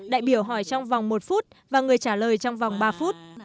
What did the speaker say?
đại biểu hỏi trong vòng một phút và người trả lời trong vòng ba phút